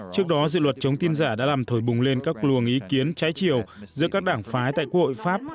trước đó dự luật chống tin giả đã làm thổi bùng lên các luồng ý kiến trái chiều giữa các đảng phái tại quốc hội pháp